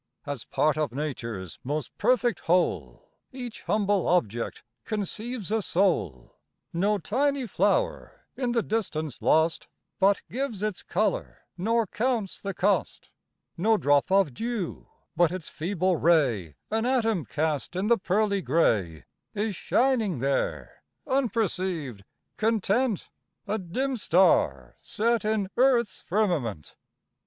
As part of nature's most perfect whole Each humble object conceives a soul, No tiny flower in the distance lost, But gives its colour, nor counts the cost; No drop of dew, but its feeble ray An atom cast in the pearly gray Is shining there, unperceived, content, A dim star set in earth's firmament.